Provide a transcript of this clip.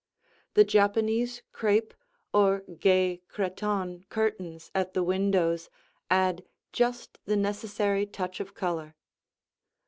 The Japanese crêpe or gay cretonne curtains at the windows add just the necessary touch of color.